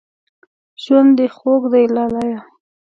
ژوند دې خوږ دی لالیه